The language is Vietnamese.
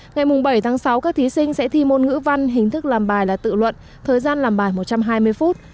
ngày bảy tháng sáu các thí sinh sẽ thi môn ngữ văn hình thức làm bài là tự luận thời gian làm bài một trăm hai mươi phút